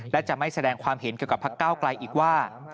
และจะไม่แสดงความเห็นเกี่ยวกับพักก้าวไกลอีกว่า